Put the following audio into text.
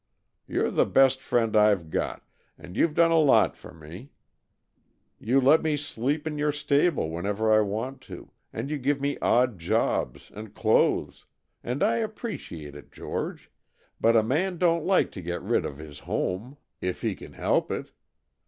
You're the best friend I've got, and you've done a lot for me you let me sleep in your stable whenever I want to, and you give me odd jobs, and clothes and I appreciate it, George, but a man don't like to get rid of his home, if he can help it.